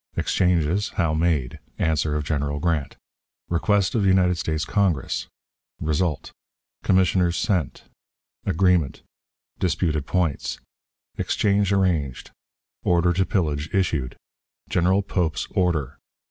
Exchanges, how made. Answer of General Grant. Request of United States Congress. Result. Commissioners sent. Agreement. Disputed Points. Exchange arranged. Order to pillage issued. General Pope's Order.